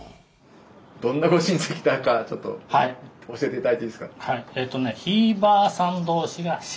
どんなご親戚だかちょっと教えて頂いていいですか？